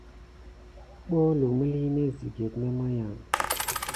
Ɓolu məline net ziga memaya.